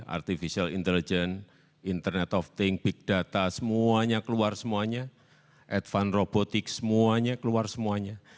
artificial intelligence internet of thing big data semuanya keluar semuanya advance robotics semuanya keluar semuanya